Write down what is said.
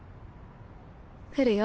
来るよ。